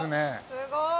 すごい！